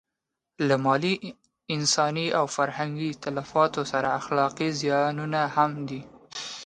له مالي، انساني او فرهنګي تلفاتو سره اخلاقي زیانونه هم دي.